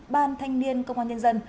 ban thanh niên công an nhân dân